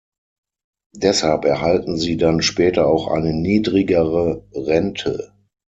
Deshalb erhalten sie dann später auch eine niedrigere Rente.